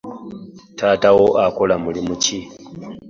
Taata wo akola mulimu ki?